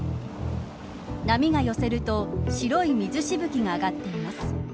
波が寄せると白い水しぶきが上がっています。